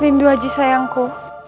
lindu haji sayangku